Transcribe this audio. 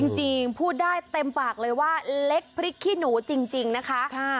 จริงพูดได้เต็มปากเลยว่าเล็กพริกขี้หนูจริงนะคะ